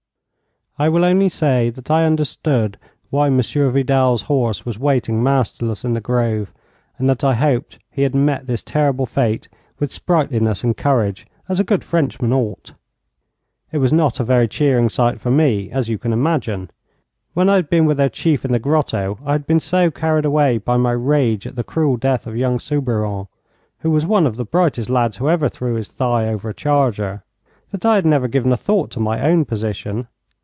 I will only say that I understood why Monsieur Vidal's horse was waiting masterless in the grove, and that I hoped he had met this terrible fate with sprightliness and courage, as a good Frenchman ought. It was not a very cheering sight for me, as you can imagine. When I had been with their chief in the grotto I had been so carried away by my rage at the cruel death of young Soubiron, who was one of the brightest lads who ever threw his thigh over a charger, that I had never given a thought to my own position.